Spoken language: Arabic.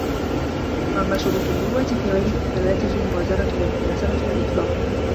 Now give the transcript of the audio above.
وَأَمَّا شُرُوطُ الْمُرُوءَةِ فِي غَيْرِهِ فَثَلَاثَةٌ الْمُؤَازَرَةُ وَالْمُيَاسَرَةُ وَالْإِفْضَالُ